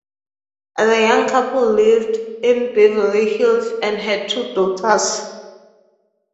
The young couple lived in Beverly Hills and had two daughters.